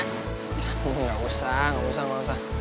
tuh gak usah gak usah gak usah